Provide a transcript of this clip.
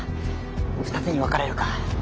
二手に分かれるか。